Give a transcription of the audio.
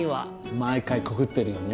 毎回コクってるよね。